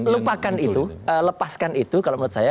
lupakan itu lepaskan itu kalau menurut saya